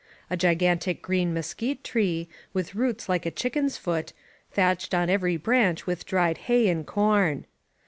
A gi gantic green mesquite tree, with roots like a chicken's foot, thatched on every branch with dried hay and corn.